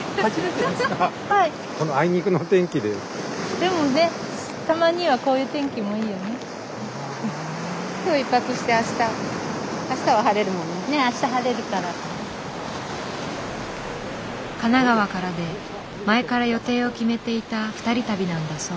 でもね神奈川からで前から予定を決めていた２人旅なんだそう。